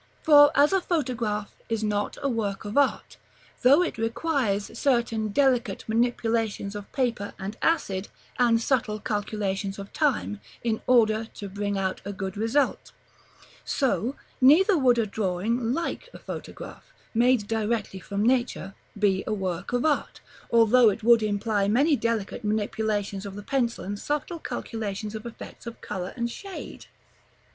For as a photograph is not a work of art, though it requires certain delicate manipulations of paper and acid, and subtle calculations of time, in order to bring out a good result; so, neither would a drawing like a photograph, made directly from nature, be a work of art, although it would imply many delicate manipulations of the pencil and subtle calculations of effects of color and shade.